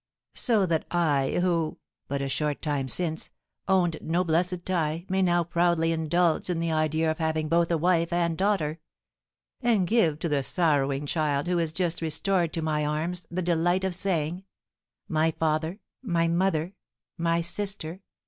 So that I who, but a short time since, owned no blessed tie, may now proudly indulge in the idea of having both a wife and daughter; and give to the sorrowing child who is just restored to my arms the delight of saying, 'My father my mother my sister!'